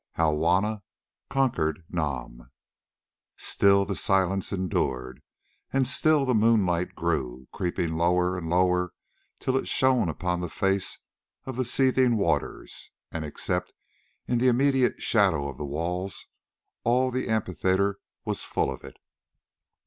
HOW JUANNA CONQUERED NAM Still the silence endured, and still the moonlight grew, creeping lower and lower till it shone upon the face of the seething waters, and, except in the immediate shadow of the walls, all the amphitheatre was full of it.